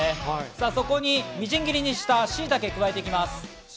そこにみじん切りにした、しいたけを加えていきます。